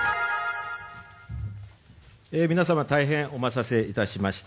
皆様大変お待たせいたしました。